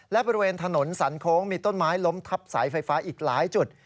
และบริเวณถนนสันโค้งมีต้นไม้ล้มทับสายไฟฟ้าอีกหลายจุด